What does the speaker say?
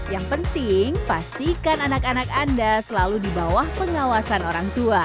yang penting pastikan anak anak anda selalu di bawah pengawasan orang tua